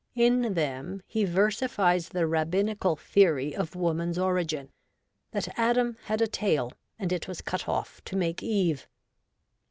In them he versifies the Rabbinical theory of woman's origin — that Adam had a tail, and it was cut off to make Eve.